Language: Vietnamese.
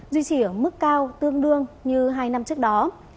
duy trì ở mức cao tương đương như hai năm trước đó